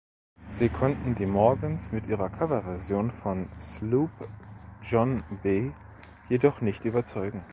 Sie konnten die Morgans mit ihrer Coverversion von "Sloop John B" jedoch nicht überzeugen.